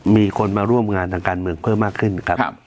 มีคนมาร่วมงานทางการเมืองเพิ่มมากขึ้นครับ